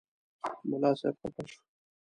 ملا صاحب خفه شو.